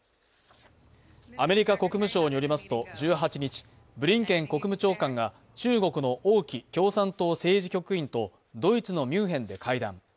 アメリカ国務省によりますと、１８日ブリンケン国務長官が中国の王毅共産党政治局員とドイツのミュンヘンで会談。